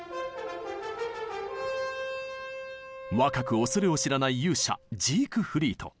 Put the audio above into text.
若く恐れを知らない勇者ジークフリート。